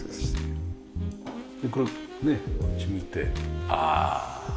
これねこっち見てああ。